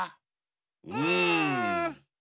うん。